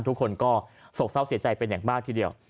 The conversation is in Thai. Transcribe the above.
ทุกคนก็โศกเศร้าเสียใจเป็นอย่างมากทีเดียว